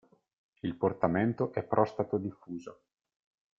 Il portamento è prostrato-diffuso.